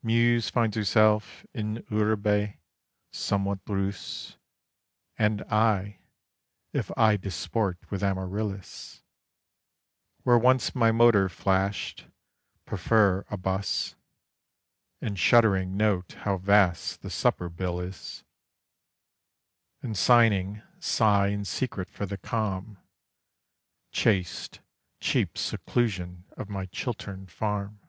Muse finds herself in urbe somewhat rus; And I if I disport with Amaryllis Where once my motor flashed, prefer a 'bus; And shuddering note how vast the supper bill is; And signing, sigh in secret for the calm, Chaste, cheap seclusion of my Chiltern farm.